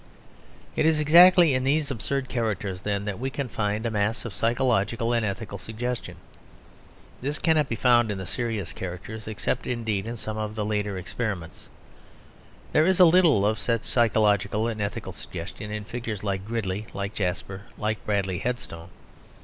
It is exactly in these absurd characters, then, that we can find a mass of psychological and ethical suggestion. This cannot be found in the serious characters except indeed in some of the later experiments: there is a little of such psychological and ethical suggestion in figures like Gridley, like Jasper, like Bradley Headstone.